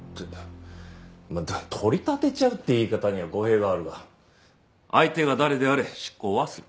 まあ「取り立てちゃう」って言い方には語弊はあるが相手が誰であれ執行はする。